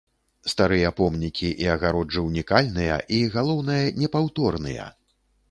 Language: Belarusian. Старыя помнікі і агароджы ўнікальныя і, галоўнае, непаўторныя.